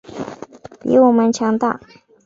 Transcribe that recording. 比我们强大